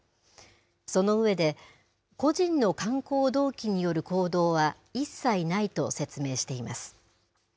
その上で、個人の観光動機による行動は一切ないと説明しています。